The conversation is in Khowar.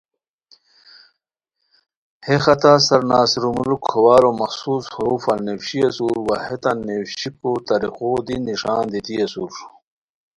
ہے خطہ سرناصرالملک کھوارو مخصوص حروفان نیویشی اسور وا ہیتان نیویشیکو طریقو دی نݰان دیتی اسور